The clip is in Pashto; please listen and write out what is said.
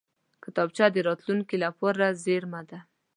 کتابچه د راتلونکې لپاره زېرمه ده